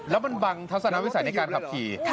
แล้วมันบังทัศนวิสัยในการขับขี่